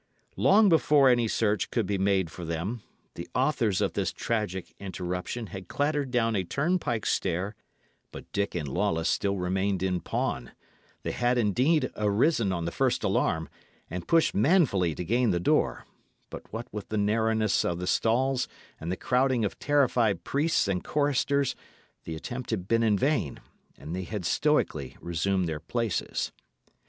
Long before any search could be made for them, the authors of this tragic interruption had clattered down a turnpike stair and decamped by a postern door. But Dick and Lawless still remained in pawn; they had, indeed, arisen on the first alarm, and pushed manfully to gain the door; but what with the narrowness of the stalls and the crowding of terrified priests and choristers, the attempt had been in vain, and they had stoically resumed their places.